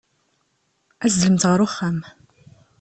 Azzlemt ɣer uxxam.